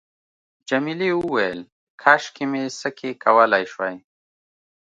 جميلې وويل:، کاشکې مې سکی کولای شوای.